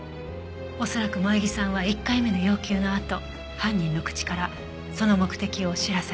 恐らく萌衣さんは１回目の要求のあと犯人の口からその目的を知らされた。